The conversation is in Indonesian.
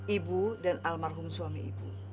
ibu dan almarhum suami ibu